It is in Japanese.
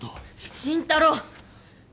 慎太郎！